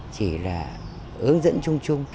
chỉ là ướng dẫn chung chung